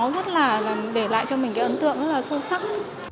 rất là để lại cho mình cái ấn tượng rất là sâu sắc